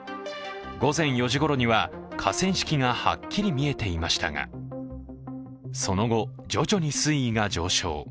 午前４時ごろには河川敷がはっきり見えていましたが、その後、徐々に水位が上昇。